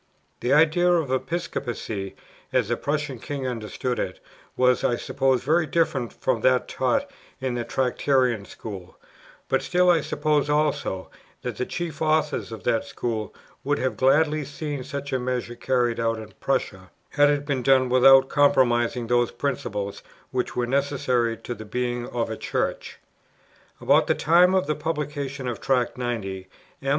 The idea of Episcopacy, as the Prussian king understood it, was, I suppose, very different from that taught in the Tractarian School: but still, I suppose also, that the chief authors of that school would have gladly seen such a measure carried out in Prussia, had it been done without compromising those principles which were necessary to the being of a Church. About the time of the publication of Tract 90, M.